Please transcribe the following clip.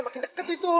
makin deket itu